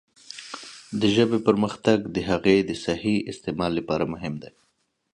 د ژبې پرمختګ د هغې د صحیح استعمال لپاره مهم دی.